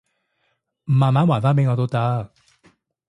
慢慢還返畀我都得